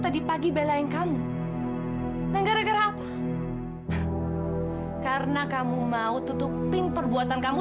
hanya karena kamu mencintai aku